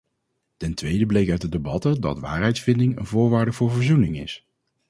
Ten tweede bleek uit de debatten dat waarheidsvinding een voorwaarde voor verzoening is.